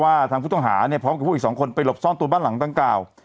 ทางผู้ต้องหาเนี่ยพร้อมกับพวกอีกสองคนไปหลบซ่อนตัวบ้านหลังดังกล่าว